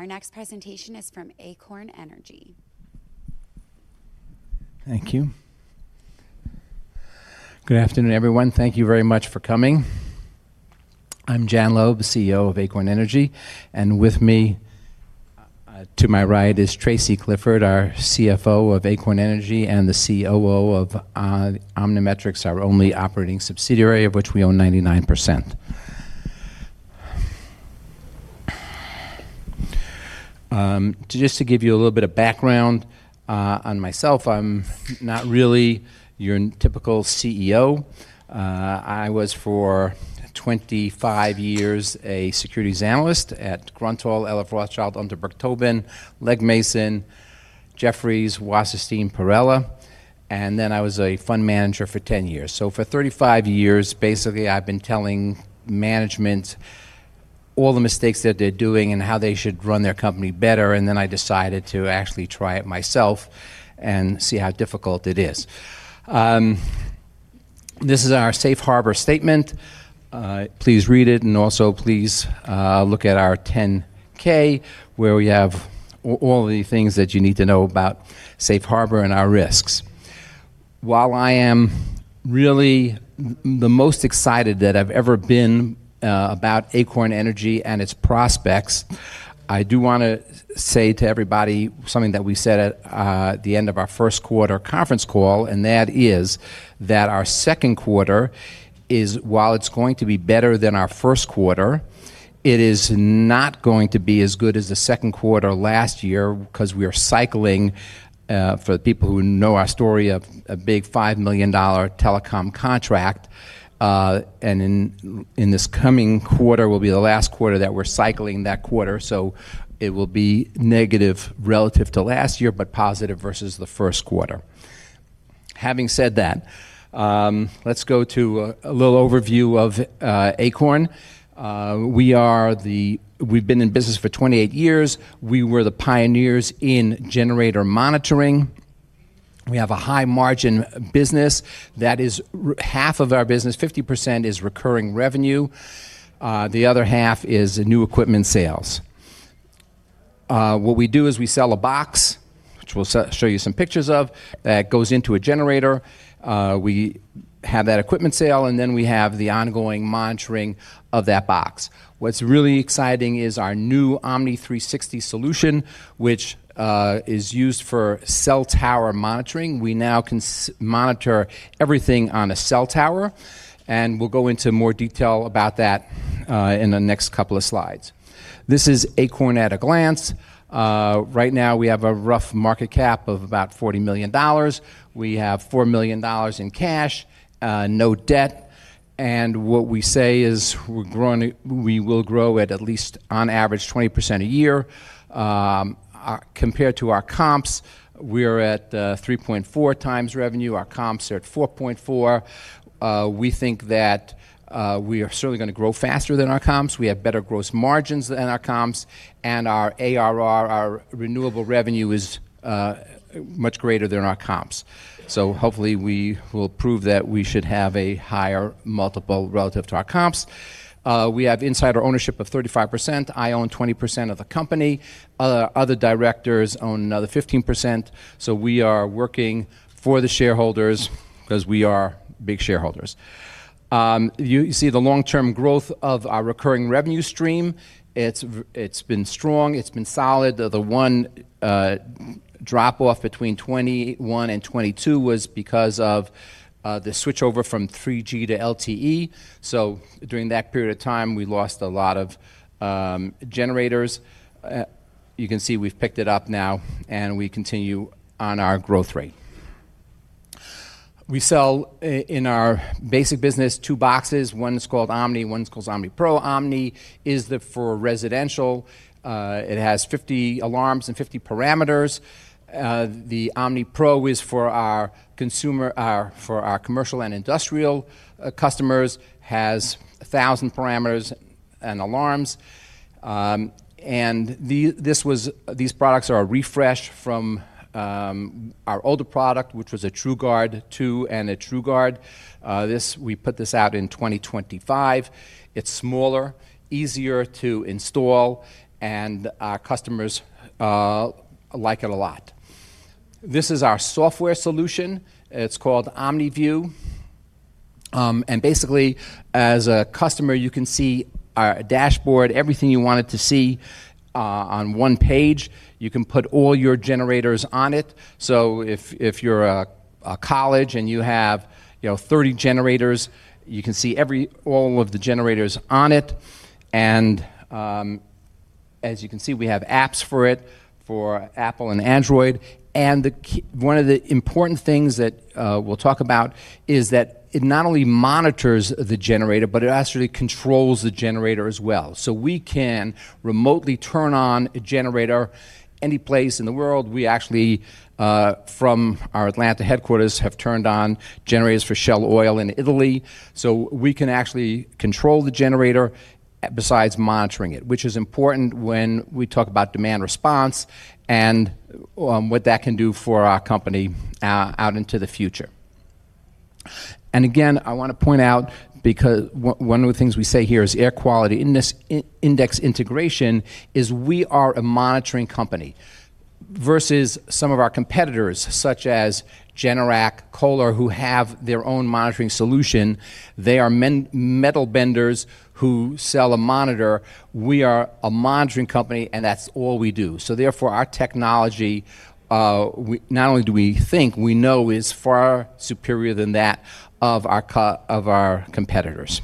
Our next presentation is from Acorn Energy. Thank you. Good afternoon, everyone. Thank you very much for coming. I'm Jan Loeb, CEO of Acorn Energy, and with me to my right is Tracy Clifford, our CFO of Acorn Energy and the COO of OmniMetrix, our only operating subsidiary, of which we own 99%. Just to give you a little bit of background on myself, I'm not really your typical CEO. I was, for 25 years, a securities analyst at Gruntal, L.F. Rothschild, Unterberg Towbin, Legg Mason, Jefferies, Wasserstein Perella, and then I was a fund manager for 10 years. For 35 years, basically, I've been telling management all the mistakes that they're doing and how they should run their company better, and then I decided to actually try it myself and see how difficult it is. This is our safe harbor statement. Please read it, also please look at our 10-K, where we have all the things that you need to know about safe harbor and our risks. While I am really the most excited that I've ever been about Acorn Energy and its prospects, I do want to say to everybody something that we said at the end of our first quarter conference call, that our second quarter is, while it's going to be better than our first quarter, it is not going to be as good as the second quarter last year because we are cycling, for the people who know our story, a big $5 million telecom contract. In this coming quarter will be the last quarter that we're cycling that quarter, so it will be negative relative to last year, but positive versus the first quarter. Having said that, let's go to a little overview of Acorn. We've been in business for 28 years. We were the pioneers in generator monitoring. We have a high-margin business that is half of our business. 50% is recurring revenue. The other half is new equipment sales. What we do is we sell a box, which we'll show you some pictures of, that goes into a generator. We have that equipment sale, and then we have the ongoing monitoring of that box. What's really exciting is our new Omni360 solution, which is used for cell tower monitoring. We now can monitor everything on a cell tower, and we'll go into more detail about that in the next couple of slides. This is Acorn at a glance. Right now, we have a rough market cap of about $40 million. We have $4 million in cash, no debt, and what we say is we will grow at at least on average 20% a year. Compared to our comps, we are at 3.4 times revenue. Our comps are at 4.4. We think that we are certainly going to grow faster than our comps. We have better gross margins than our comps, and our ARR, our renewable revenue, is much greater than our comps. Hopefully, we will prove that we should have a higher multiple relative to our comps. We have insider ownership of 35%. I own 20% of the company. Other directors own another 15%, so we are working for the shareholders because we are big shareholders. You see the long-term growth of our recurring revenue stream. It's been strong. It's been solid. The one drop-off between 2021 and 2022 was because of the switchover from 3G to LTE. During that period of time, we lost a lot of generators. You can see we've picked it up now, and we continue on our growth rate. We sell, in our basic business, two boxes. One is called OMNI. One is called OMNIPRO. OMNI is for residential. It has 50 alarms and 50 parameters. The OMNIPRO is for our commercial and industrial customers, has 1,000 parameters and alarms. These products are a refresh from our older product, which was a TrueGuard 2 and a TrueGuard. We put this out in 2025. It's smaller, easier to install, and our customers like it a lot. This is our software solution. It's called OmniView. Basically, as a customer, you can see our dashboard, everything you wanted to see on one page. You can put all your generators on it. If you're a college and you have 30 generators, you can see all of the generators on it. As you can see, we have apps for it for Apple and Android. One of the important things that we'll talk about is that it not only monitors the generator, but it actually controls the generator as well. We can remotely turn on a generator any place in the world. We actually, from our Atlanta headquarters, have turned on generators for Shell Oil in Italy. We can actually control the generator besides monitoring it, which is important when we talk about demand response and what that can do for our company out into the future. Again, I want to point out because one of the things we say here is air quality index integration is we are a monitoring company versus some of our competitors, such as Generac, Kohler, who have their own monitoring solution. They are metal benders who sell a monitor. We are a monitoring company, and that's all we do. Therefore, our technology, not only do we think, we know is far superior than that of our competitors.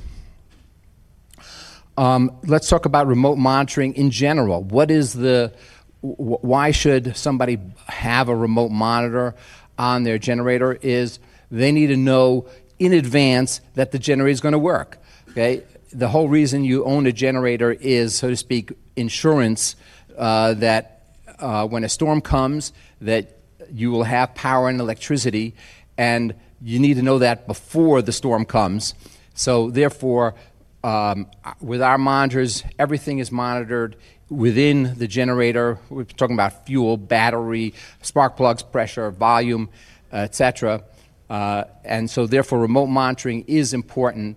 Let's talk about remote monitoring in general. Why should somebody have a remote monitor on their generator is they need to know in advance that the generator is going to work. Okay? The whole reason you own a generator is, so to speak, insurance that when a storm comes that you will have power and electricity, and you need to know that before the storm comes. Therefore, with our monitors, everything is monitored within the generator. We're talking about fuel, battery, spark plugs, pressure, volume, et cetera. Therefore, remote monitoring is important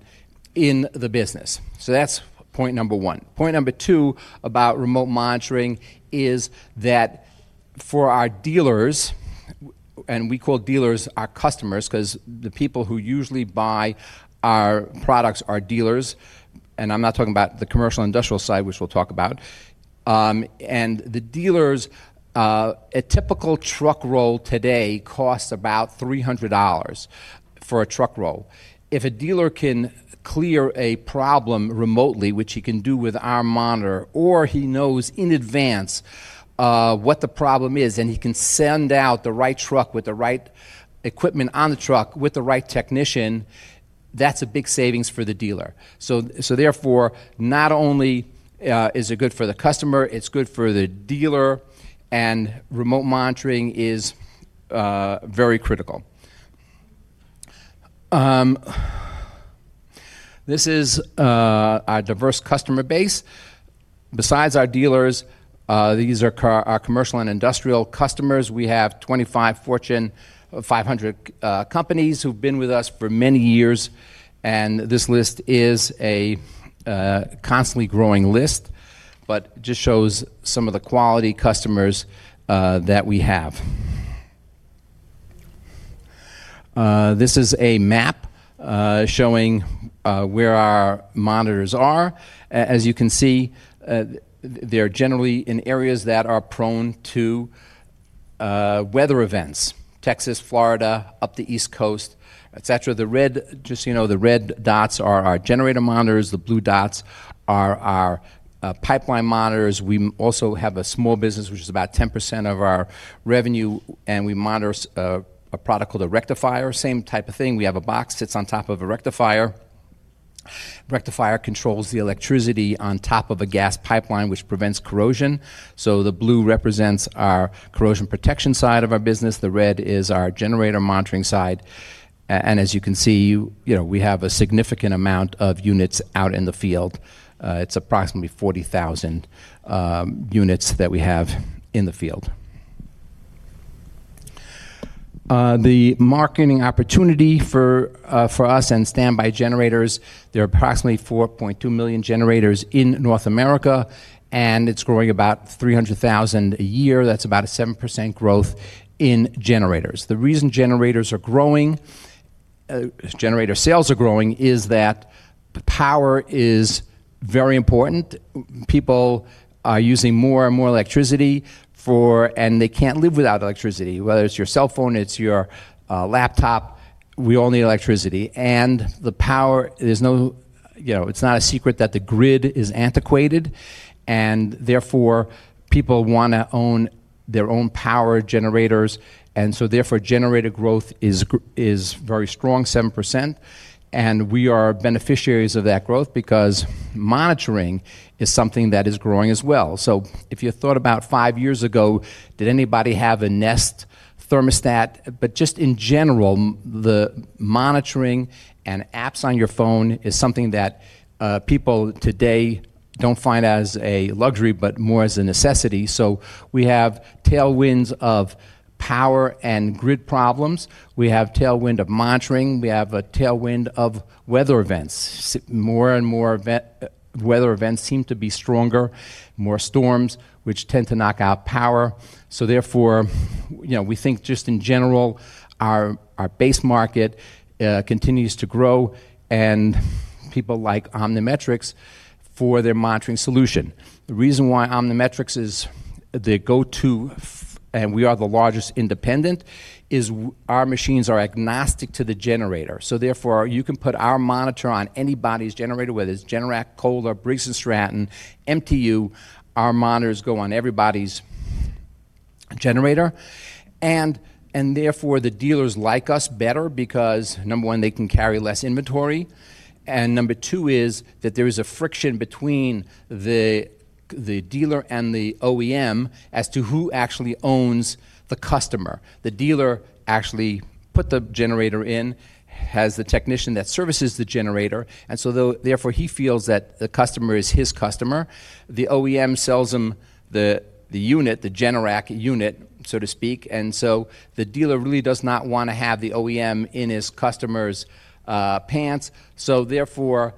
in the business. That's point number one. Point number two about remote monitoring is that for our dealers, and we call dealers our customers because the people who usually buy our products are dealers, and I'm not talking about the commercial industrial side, which we'll talk about. The dealers, a typical truck roll today costs about $300 for a truck roll. If a dealer can clear a problem remotely, which he can do with our monitor, or he knows in advance what the problem is, and he can send out the right truck with the right equipment on the truck with the right technician, that's a big savings for the dealer. Therefore, not only is it good for the customer, it's good for the dealer, and remote monitoring is very critical. This is our diverse customer base. Besides our dealers, these are our commercial and industrial customers. We have 25 Fortune 500 companies who've been with us for many years, and this list is a constantly growing list, but just shows some of the quality customers that we have. This is a map showing where our monitors are. As you can see, they're generally in areas that are prone to weather events, Texas, Florida, up the East Coast, et cetera. Just so you know, the red dots are our generator monitors. The blue dots are our pipeline monitors. We also have a small business, which is about 10% of our revenue, and we monitor a product called a rectifier, same type of thing. We have a box, sits on top of a rectifier. Rectifier controls the electricity on top of a gas pipeline, which prevents corrosion. The blue represents our corrosion protection side of our business. The red is our generator monitoring side. As you can see, we have a significant amount of units out in the field. It's approximately 40,000 units that we have in the field. The marketing opportunity for us and standby generators, there are approximately 4.2 million generators in North America, and it's growing about 300,000 a year. That's about a 7% growth in generators. The reason generators sales are growing is that power is very important. People are using more and more electricity, and they can't live without electricity, whether it's your cellphone, it's your laptop, we all need electricity. The power, it's not a secret that the grid is antiquated, and therefore, people want to own their own power generators. Therefore, generator growth is very strong, 7%, and we are beneficiaries of that growth because monitoring is something that is growing as well. If you thought about five years ago, did anybody have a Nest thermostat? Just in general, the monitoring and apps on your phone is something that people today don't find as a luxury, but more as a necessity. We have tailwinds of power and grid problems. We have tailwind of monitoring. We have a tailwind of weather events. More and more weather events seem to be stronger, more storms, which tend to knock out power. Therefore, we think just in general, our base market continues to grow and people like OmniMetrix for their monitoring solution. The reason why OmniMetrix is the go-to, and we are the largest independent, is our machines are agnostic to the generator. Therefore, you can put our monitor on anybody's generator, whether it's Generac, Kohler, Briggs & Stratton, MTU. Our monitors go on everybody's generator. Therefore, the dealers like us better because, number one, they can carry less inventory, and number two is that there is a friction between the dealer and the OEM as to who actually owns the customer. The dealer actually put the generator in, has the technician that services the generator, therefore he feels that the customer is his customer. The OEM sells him the unit, the Generac unit, so to speak, the dealer really does not want to have the OEM in his customer's pants. Therefore,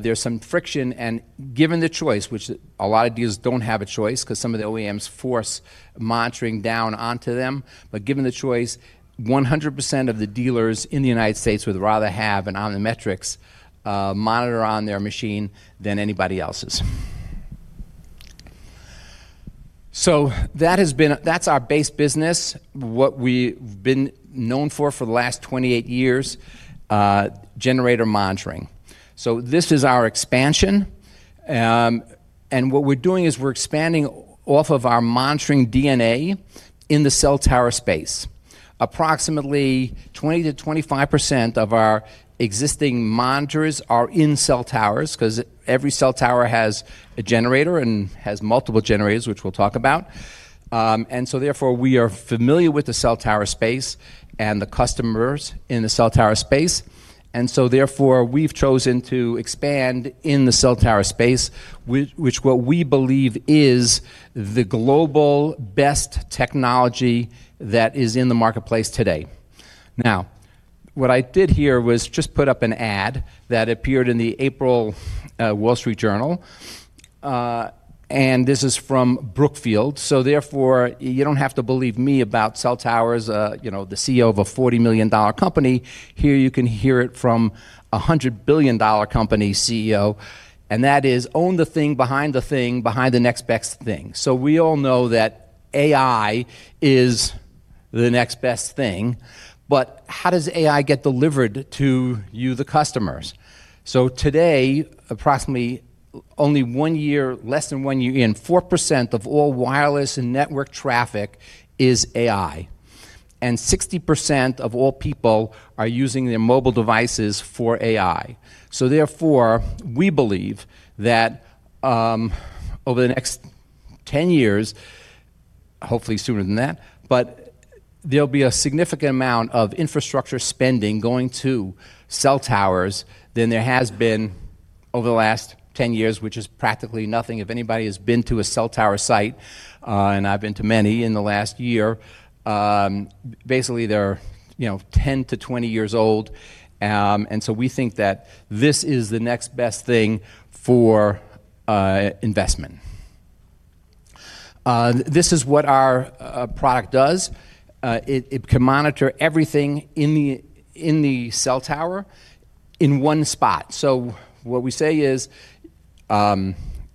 there's some friction, and given the choice, which a lot of dealers don't have a choice because some of the OEMs force monitoring down onto them, but given the choice, 100% of the dealers in the U.S. would rather have an OmniMetrix monitor on their machine than anybody else's. That's our base business, what we've been known for for the last 28 years, generator monitoring. This is our expansion. What we're doing is we're expanding off of our monitoring DNA in the cell tower space. Approximately 20%-25% of our existing monitors are in cell towers because every cell tower has a generator and has multiple generators, which we'll talk about. Therefore we are familiar with the cell tower space and the customers in the cell tower space. Therefore we've chosen to expand in the cell tower space, which what we believe is the global best technology that is in the marketplace today. What I did here was just put up an ad that appeared in the April The Wall Street Journal, and this is from Brookfield, you don't have to believe me about cell towers, the CEO of a $40 million company. Here you can hear it from $100 billion company CEO, and that is, "Own the thing behind the thing behind the next best thing." We all know that AI is the next best thing, but how does AI get delivered to you, the customers? Today, approximately only one year, less than one year in, 4% of all wireless and network traffic is AI, and 60% of all people are using their mobile devices for AI. Therefore, we believe that over the next 10 years, hopefully sooner than that, but there'll be a significant amount of infrastructure spending going to cell towers than there has been over the last 10 years, which is practically nothing. If anybody has been to a cell tower site, and I've been to many in the last year, basically they're 10-20 years old. We think that this is the next best thing for investment. This is what our product does. It can monitor everything in the cell tower in one spot. What we say is,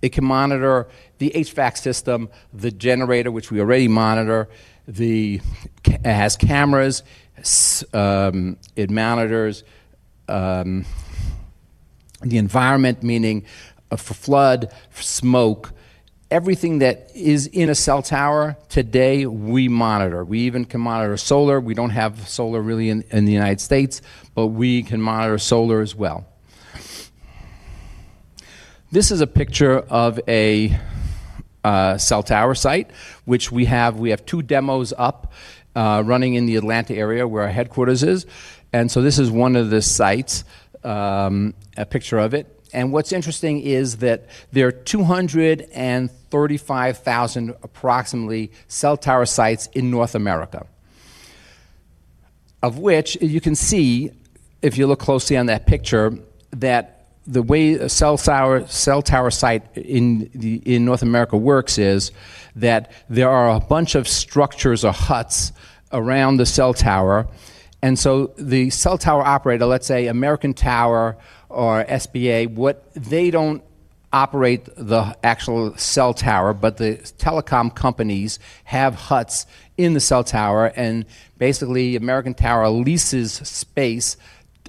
it can monitor the HVAC system, the generator, which we already monitor. It has cameras. It monitors the environment, meaning for flood, for smoke. Everything that is in a cell tower today, we monitor. We even can monitor solar. We don't have solar really in the U.S., but we can monitor solar as well. This is a picture of a cell tower site, which we have two demos up running in the Atlanta area where our headquarters is. This is one of the sites, a picture of it. What's interesting is that there are 235,000 approximately cell tower sites in North America. Of which you can see, if you look closely on that picture, that the way a cell tower site in North America works is that there are a bunch of structures or huts around the cell tower. The cell tower operator, let's say American Tower or SBA, they don't operate the actual cell tower, but the telecom companies have huts in the cell tower, and basically American Tower leases space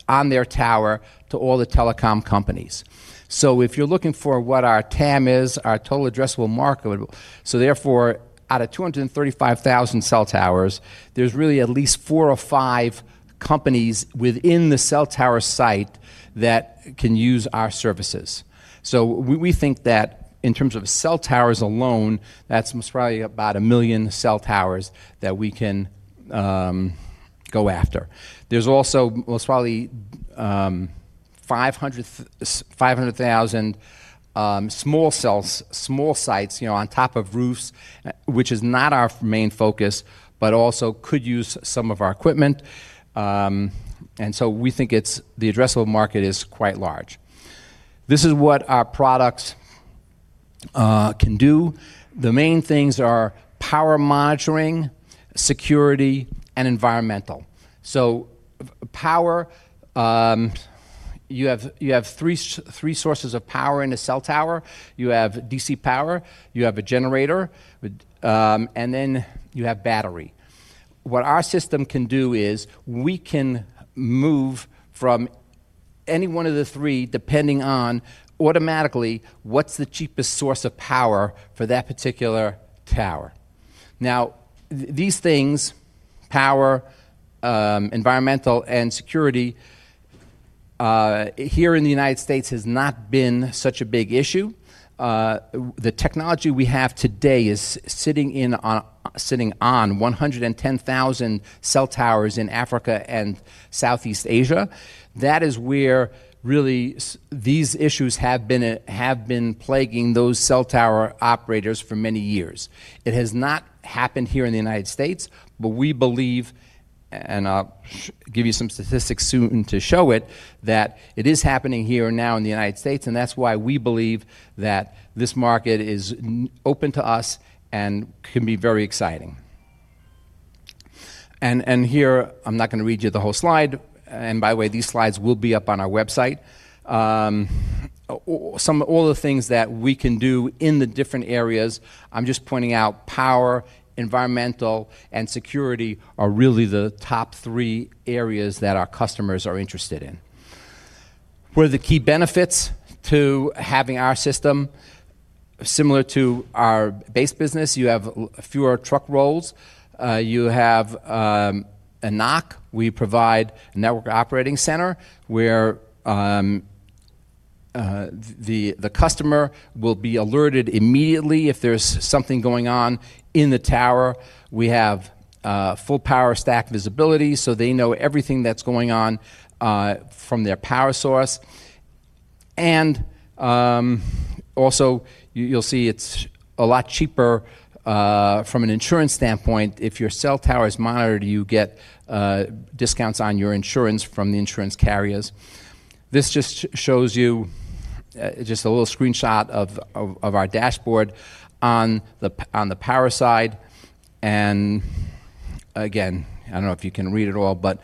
on their tower to all the telecom companies. If you're looking for what our TAM is, our total addressable market, therefore out of 235,000 cell towers, there's really at least four or five companies within the cell tower site that can use our services. We think that in terms of cell towers alone, that's probably about one million cell towers that we can go after. There's also probably 500,000 small cells, small sites on top of roofs, which is not our main focus, but also could use some of our equipment. We think the addressable market is quite large. This is what our products can do. The main things are power monitoring, security, and environmental. Power, you have three sources of power in a cell tower. You have DC power, you have a generator, and then you have battery. What our system can do is we can move from any one of the three depending on automatically what's the cheapest source of power for that particular tower. Now, these things, power, environmental, and security here in the U.S. has not been such a big issue. The technology we have today is sitting on 110,000 cell towers in Africa and South-east Asia. That is where really these issues have been plaguing those cell tower operators for many years. It has not happened here in the U.S., but we believe, and I'll give you some statistics soon to show it, that it is happening here now in the U.S., and that's why we believe that this market is open to us and can be very exciting. Here, I'm not going to read you the whole slide, and by the way, these slides will be up on our website. All the things that we can do in the different areas, I'm just pointing out power, environmental, and security are really the top three areas that our customers are interested in. What are the key benefits to having our system? Similar to our base business, you have fewer truck rolls. You have a NOC. We provide network operating center, where the customer will be alerted immediately if there's something going on in the tower. We have full power stack visibility, so they know everything that's going on from their power source. Also, you'll see it's a lot cheaper from an insurance standpoint. If your cell tower is monitored, you get discounts on your insurance from the insurance carriers. This just shows you just a little screenshot of our dashboard on the power side. Again, I don't know if you can read it all, but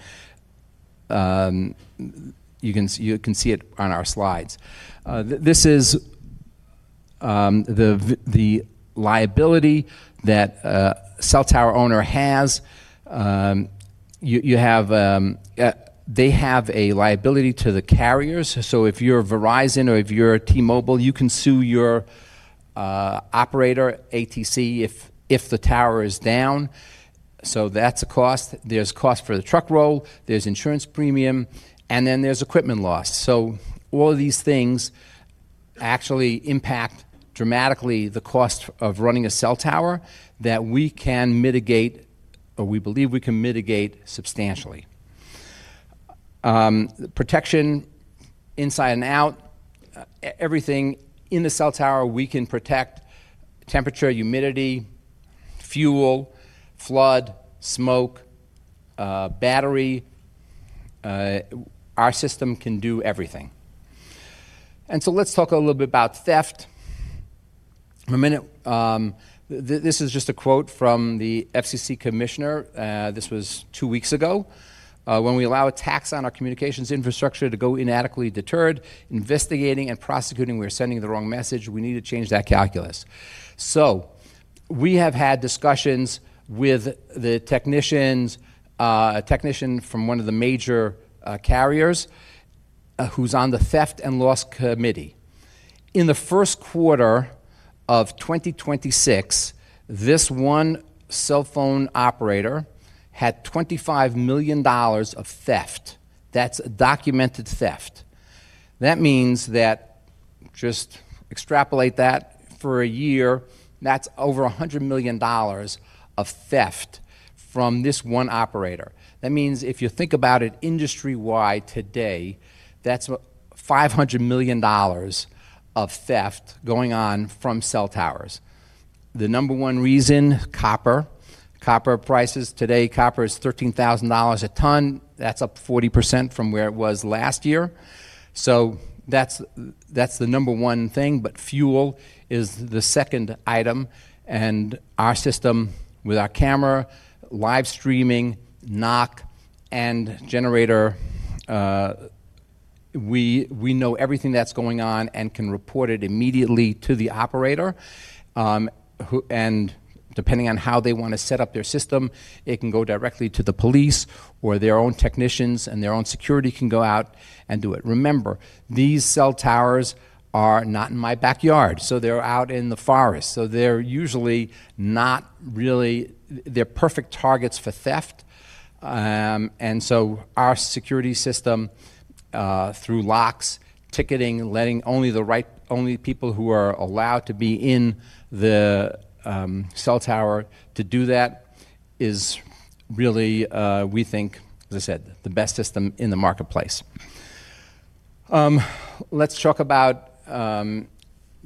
you can see it on our slides. This is the liability that a cell tower owner has. They have a liability to the carriers. If you're Verizon or if you're T-Mobile, you can sue your operator, ATC, if the tower is down. That's a cost. There's cost for the truck roll, there's insurance premium, and then there's equipment loss. All of these things actually impact dramatically the cost of running a cell tower that we believe we can mitigate substantially. Protection inside and out. Everything in the cell tower we can protect. Temperature, humidity, fuel, flood, smoke, battery. Our system can do everything. Let's talk a little bit about theft for a minute. This is just a quote from the FCC commissioner. This was two weeks ago. "When we allow attacks on our communications infrastructure to go inadequately deterred, investigating and prosecuting, we're sending the wrong message. We need to change that calculus." We have had discussions with a technician from one of the major carriers who's on the theft and loss committee. In the first quarter of 2026, this one cell phone operator had $25 million of theft. That's documented theft. That means that, just extrapolate that for a year, that's over $100 million of theft from this one operator. That means if you think about it industry-wide today, that's $500 million of theft going on from cell towers. The number one reason, copper. Copper prices today, copper is $13,000 a ton. That's up 40% from where it was last year. That's the number one thing, but fuel is the second item, and our system with our camera, live streaming, NOC, and generator, we know everything that's going on and can report it immediately to the operator. Depending on how they want to set up their system, it can go directly to the police or their own technicians, and their own security can go out and do it. Remember, these cell towers are not in my backyard, so they're out in the forest. They're perfect targets for theft. Our security system through locks, ticketing, letting only people who are allowed to be in the cell tower to do that is really, we think, as I said, the best system in the marketplace. Let's talk about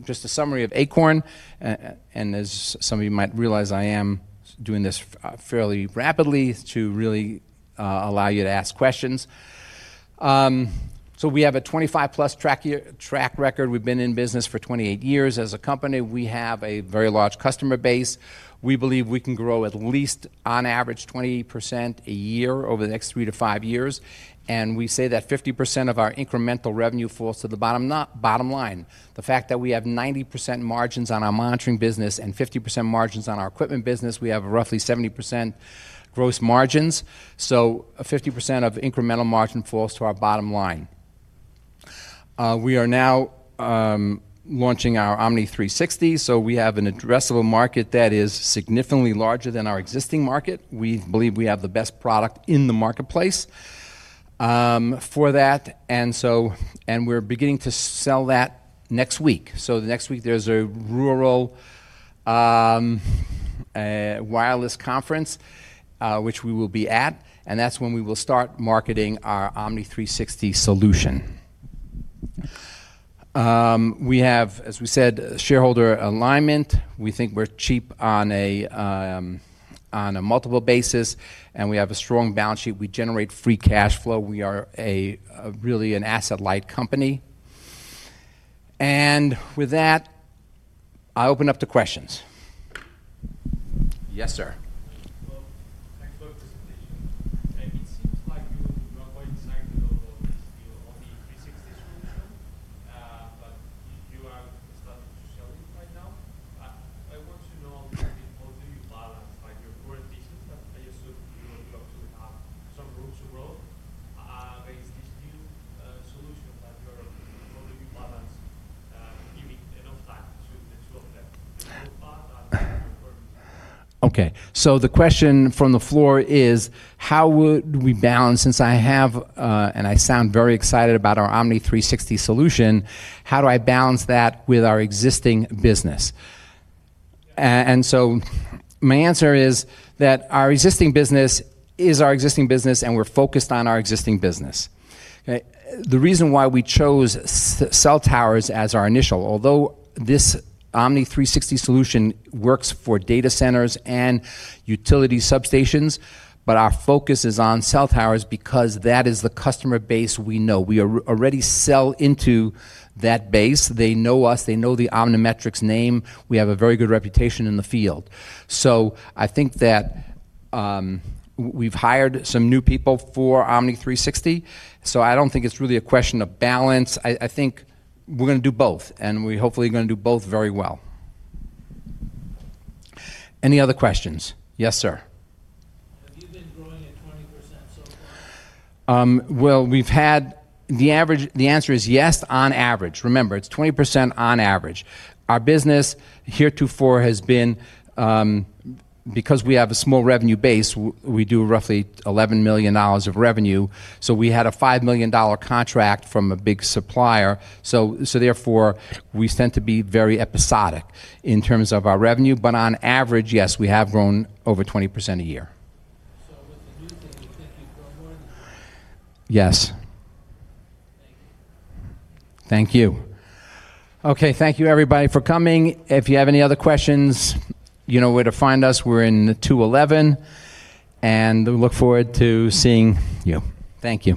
just a summary of Acorn. As some of you might realize, I am doing this fairly rapidly to really allow you to ask questions. We have a 25-plus track record. We've been in business for 28 years as a company. We have a very large customer base. We believe we can grow at least on average 20% a year over the next three to five years. We say that 50% of our incremental revenue falls to the bottom line. The fact that we have 90% margins on our monitoring business and 50% margins on our equipment business, we have roughly 70% gross margins. 50% of incremental margin falls to our bottom line. We are now launching our Omni360. We have an addressable market that is significantly larger than our existing market. We believe we have the best product in the marketplace for that, we're beginning to sell that next week. Next week, there's a rural wireless conference, which we will be at, and that's when we will start marketing our Omni360 solution. We have, as we said, shareholder alignment. We think we're cheap on a multiple basis, we have a strong balance sheet. We generate free cash flow. We are really an asset-light company. With that, I open up to questions. Yes, sir. Thanks for the presentation. It seems like you are quite excited about this new Omni360 solution, you are starting to sell it right now. I want to know how do you balance your current business? I assume you want to have some room to grow based on this new solution that you're offering. How do you balance giving enough time to both of them? The question from the floor is, how would we balance, since I have, I sound very excited about our Omni360 solution, how do I balance that with our existing business? My answer is that our existing business is our existing business, we're focused on our existing business. The reason why we chose cell towers as our initial, although this Omni360 solution works for data centers and utility substations, our focus is on cell towers because that is the customer base we know. We already sell into that base. They know us. They know the OmniMetrix name. We have a very good reputation in the field. I think that we've hired some new people for Omni360. I don't think it's really a question of balance. I think we're going to do both, we're hopefully going to do both very well. Any other questions? Yes, sir. Have you been growing at 20% so far? Well, the answer is yes, on average. Remember, it's 20% on average. Our business heretofore has been, because we have a small revenue base, we do roughly $11 million of revenue. We had a $5 million contract from a big supplier. Therefore, we tend to be very episodic in terms of our revenue. On average, yes, we have grown over 20% a year. With the new thing, you're thinking grow more than that. Yes. Thank you. Thank you. Okay, thank you everybody for coming. If you have any other questions, you know where to find us. We're in 211, and we look forward to seeing you. Thank you.